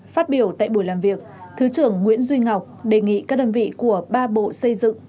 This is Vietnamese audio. phát biểu tại buổi làm việc thứ trưởng nguyễn duy ngọc đề nghị các đơn vị của ba bộ xây dựng